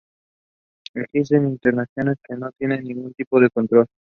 Existen intersecciones que no tienen ningún tipo de control.